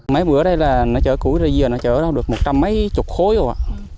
mấy bữa đây là nó chở củi ra dừa nó chở ra được một trăm mấy chục khối rồi ạ